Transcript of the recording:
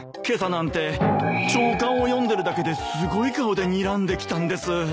今朝なんて朝刊を読んでるだけですごい顔でにらんできたんです。